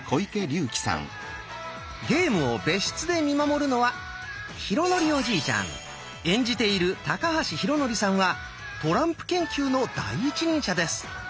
ゲームを別室で見守るのは演じている高橋浩徳さんはトランプ研究の第一人者です。